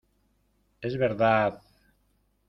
¡ es verdad!...